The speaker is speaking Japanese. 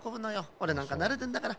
おれなんかなれてんだから。